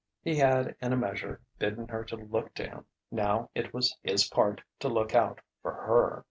He had in a measure bidden her to look to him; now it was his part to look out for her.